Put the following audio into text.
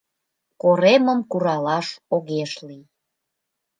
Коремым куралаш огеш лий.